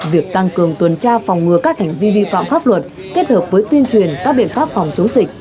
việc tăng cường tuần tra phòng ngừa các hành vi vi phạm pháp luật kết hợp với tuyên truyền các biện pháp phòng chống dịch